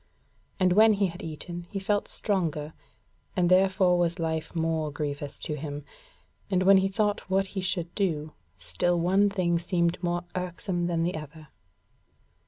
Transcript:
And when he had eaten, he felt stronger and therefore was life more grievous to him, and when he thought what he should do, still one thing seemed more irksome than the other.